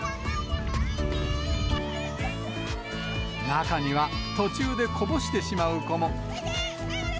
中には、途中でこぼしてしまう子も。